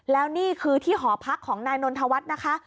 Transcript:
แล้วนี่คือที่หอพักของนายนนทวัฒน์นะคะ